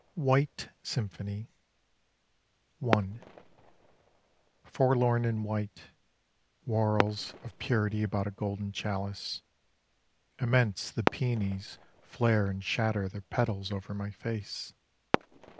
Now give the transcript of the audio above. WHITE SYMPHONY I Forlorn and white, Whorls of purity about a golden chalice, Immense the peonies Flare and shatter their petals over my face.